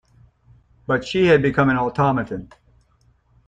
But she had become an automaton.